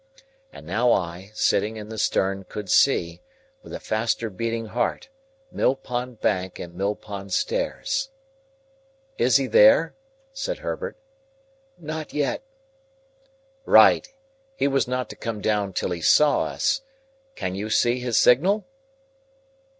And now I, sitting in the stern, could see, with a faster beating heart, Mill Pond Bank and Mill Pond stairs. "Is he there?" said Herbert. "Not yet." "Right! He was not to come down till he saw us. Can you see his signal?"